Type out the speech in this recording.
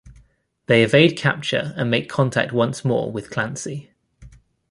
They evade capture and make contact once more with Clancey.